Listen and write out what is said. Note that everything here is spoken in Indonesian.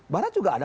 barat juga ada